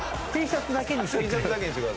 Ｔシャツだけに違う。